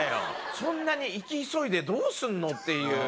そんなに生き急いでどうするのっていう。